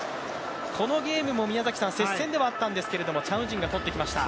このゲームも接戦ではあったんですけど、チャン・ウジンが取ってきました。